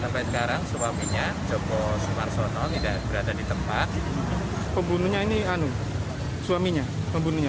pembunuhnya ini suaminya